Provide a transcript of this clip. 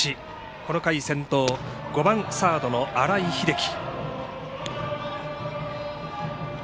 この回、先頭５番、サードの新井瑛喜。